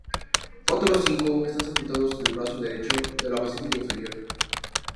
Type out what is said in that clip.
Otros cinco están sepultados en el brazo derecho de la basílica inferior.